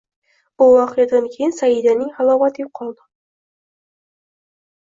Bu voqeadan keyin Saidaning halovati yo`qoldi